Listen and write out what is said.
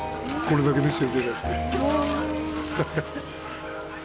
これだけです。